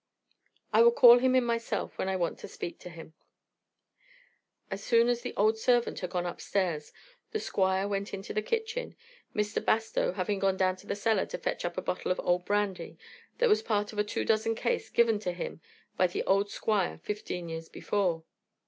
"I will call him in myself when I want to speak to him." As soon as the old servant had gone upstairs the Squire went into the kitchen, Mr. Bastow having gone to the cellar to fetch up a bottle of old brandy that was part of a two dozen case given to him by the old Squire fifteen years before.